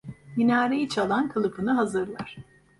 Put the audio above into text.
Minareyi çalan kılıfını hazırlar.